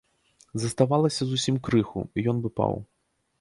Заставалася зусім крыху, і ён бы паў.